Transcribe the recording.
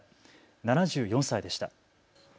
７４歳でした。